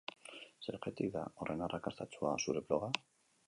Zergatik da horren arrakastatsua zure bloga?